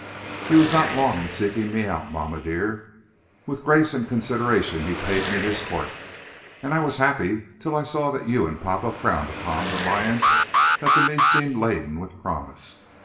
"He was not long in seeking me out, mamma, dear. With grace and consideration he paid me his court, and I was happy till I saw that you and papa frowned upon an alliance that to me seemed laden with promise.